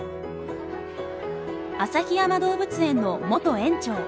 旭山動物園の元園長。